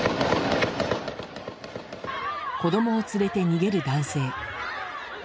子供を連れて逃げる男性。